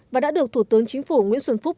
và đã được thủ tướng chính phủ nguyễn xuân phúc